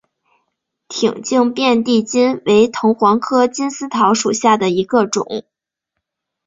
挺茎遍地金为藤黄科金丝桃属下的一个种。